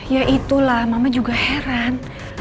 ya itulah mama juga heran